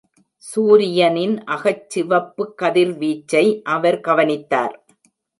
சூரியனின் அகச்சிவப்பு கதிர்வீச்சை அவர் கவனித்தார்.